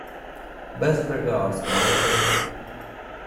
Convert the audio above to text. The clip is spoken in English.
Best regards, Michael